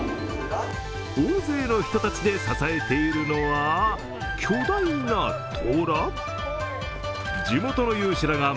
大勢の人たちで支えているのは、巨大なとら。